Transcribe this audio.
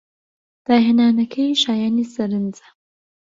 داهێنانەکەی شایانی سەرنجە.